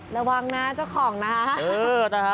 ระวังนะเจ้าของนะ